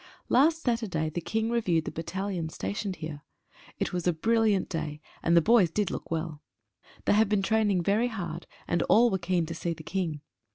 Last Saturday the King reviewed the battalions stationed here. It was a brilliant day, and the boys did look well. They have been training very hard, and all were keen to see the King.